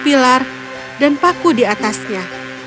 pilar dan paku di atasnya